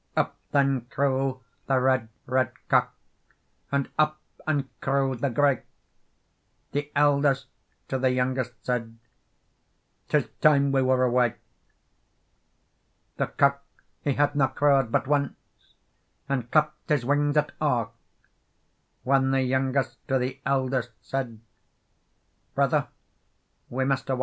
Up then crew the red, red cock, And up and crew the gray; The eldest to the youngest said, "'Tis time we were away." The cock he hadna crawd but once, And clapp'd his wings at a', Whan the youngest to the eldest said, "Brother, we must awa.